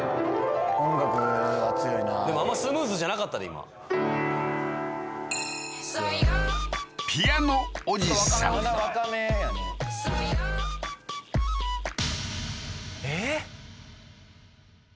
音楽は強いなでもあんまスムーズじゃなかったで今まだ若めやねえっ？